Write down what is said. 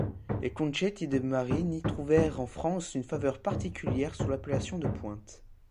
Les concetti de Marini trouvèrent en France une faveur particulière sous l’appellation de pointes.